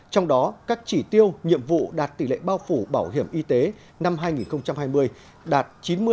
trong đó các chỉ tiêu nhiệm vụ đạt tỷ lệ bao phủ bảo hiểm y tế năm hai nghìn hai mươi đạt chín mươi